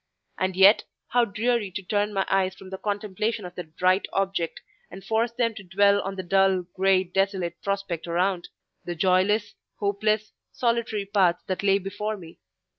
And yet, how dreary to turn my eyes from the contemplation of that bright object and force them to dwell on the dull, grey, desolate prospect around: the joyless, hopeless, solitary path that lay before me.